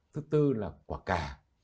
thứ tư là quả cà